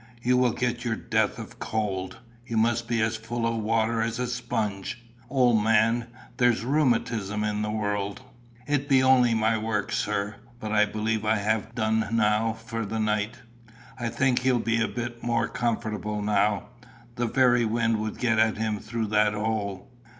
"You will get your death of cold. You must be as full of water as a sponge. Old man, there's rheumatism in the world!" "It be only my work, sir. But I believe I ha' done now for a night. I think he'll be a bit more comfortable now. The very wind could get at him through that hole."